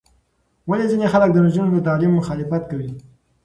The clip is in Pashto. ولې ځینې خلک د نجونو د تعلیم مخالفت کوي؟